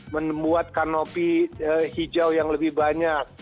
membuat kanopi hijau yang lebih banyak